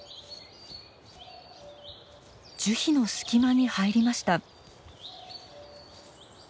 樹皮の隙間に入りました。